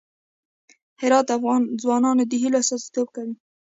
هرات د افغان ځوانانو د هیلو استازیتوب کوي.